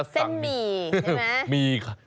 เส้นหมี่ใช่ไหม